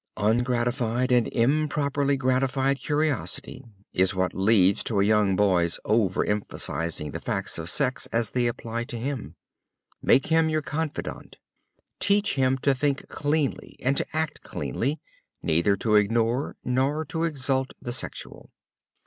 Ungratified or improperly gratified curiosity is what leads to a young boy's overemphasizing the facts of sex as they apply to him. Make him your confidant. Teach him to think cleanly and to act cleanly, neither to ignore nor to exalt the sexual.